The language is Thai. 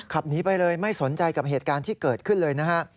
หนีไปเลยไม่สนใจกับเหตุการณ์ที่เกิดขึ้นเลยนะฮะ